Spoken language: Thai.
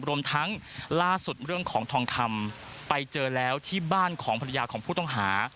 รวมทั้งล่าสุดเรื่องของทองคำไปเจอแล้วที่บ้านของภรรยาของผู้ต้องหา